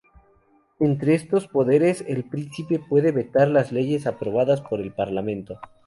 Entre estos poderes, el príncipe puede vetar las leyes aprobadas por el parlamento.